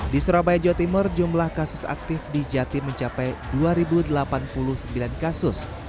di surabaya jawa timur jumlah kasus aktif di jatim mencapai dua delapan puluh sembilan kasus